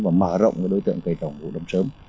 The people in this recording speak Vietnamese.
và mở rộng đối tượng cây trồng vụ đông sớm